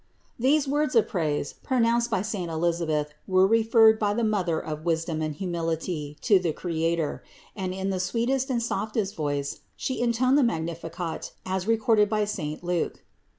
221. These words of praise, pronounced by saint Elisabeth were referred by the Mother of wisdom and humility to the Creator; and in the sweetest and softest voice She intoned the Magnificat as recorded by saint Luke (Ch.